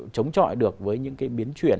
chống chọi được với những cái biến chuyển